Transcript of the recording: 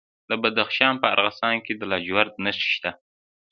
د بدخشان په راغستان کې د لاجوردو نښې شته.